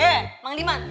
eh mang liman